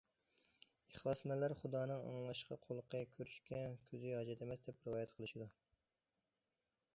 ئىخلاسمەنلەر خۇدانىڭ ئاڭلاشقا قۇلىقى، كۆرۈشكە كۆزى ھاجەت ئەمەس، دەپ رىۋايەت قىلىشىدۇ.